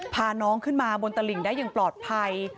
พาน้องขึ้นมาบนตลิ่งได้อย่างปลอดภัย